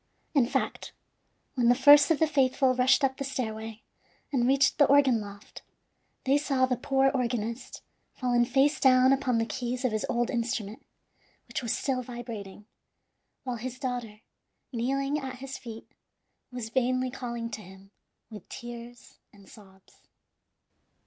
In fact, when the first of the faithful rushed up the stairway, and reached the organ loft, they saw the poor organist fallen face down upon the keys of his old instrument, which was still vibrating, while his daughter, kneeling at his feet, was vainly calling to him with tears and sobs.